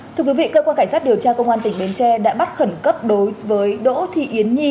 thưa quý vị cơ quan cảnh sát điều tra công an tỉnh bến tre đã bắt khẩn cấp đối với đỗ thị yến nhi